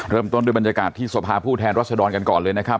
เริ่มต้นด้วยบรรยากาศที่สภาผู้แทนรัศดรกันก่อนเลยนะครับ